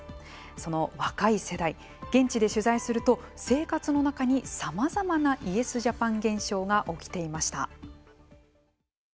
その若い世代、現地で取材すると生活の中にさまざまなイエスジャパン現象が起きていました。